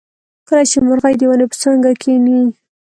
کله چې مرغۍ د ونې په څانګه کیني.